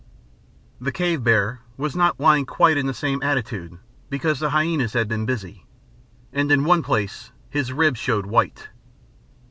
The cave bear was not lying quite in the same attitude, because the hyænas had been busy, and in one place his ribs showed white.